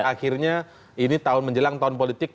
akhirnya ini tahun menjelang tahun politik